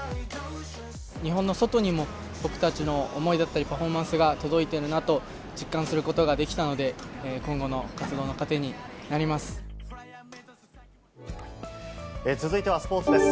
日本の外にも、僕たちの思いだったり、パフォーマンスが届いてるなと実感することができたので、今後の続いてはスポーツです。